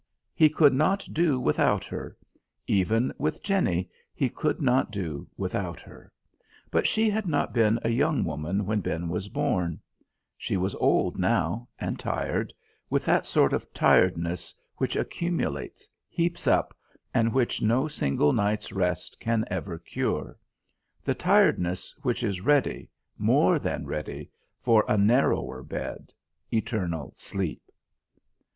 He could not do without her; even with Jenny he could not do without her. But she had not been a young woman when Ben was born; she was old now, and tired, with that sort of tiredness which accumulates, heaps up, and which no single night's rest can ever cure; the tiredness which is ready, more than ready, for a narrower bed eternal sleep.